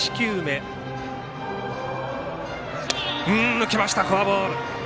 抜けました、フォアボール。